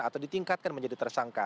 atau ditingkatkan menjadi tersangka